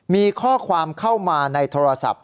มีข้อความเข้ามาในโทรศัพท์